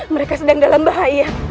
mereka sedang dalam bahaya